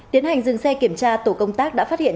tiến hành dừng xe kiểm tra tổ công tác đã phát hiện